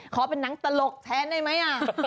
ขอเป็นนังตลกแทนได้มั้ยอ่ะ